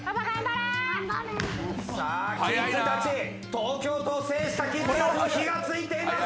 東京都を制したキッズたちに火が付いています。